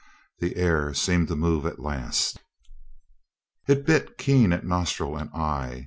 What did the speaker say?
The air seemed to move at last. It bit keen at nostril and eye.